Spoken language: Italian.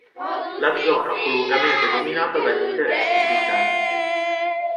La zona fu lungamente dominata dagli interessi britannici.